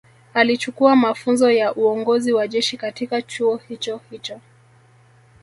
Alichukua mafunzo ya uongozi wa jeshi katika chuo hicho hicho